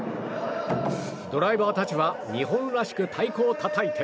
ドライバーたちは日本らしく太鼓をたたいて。